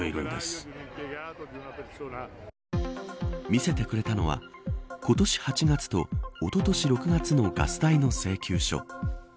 見せてくれたのは今年８月とおととし６月のガス代の請求書。